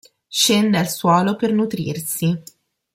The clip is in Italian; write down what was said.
Scende al suolo per nutrirsi.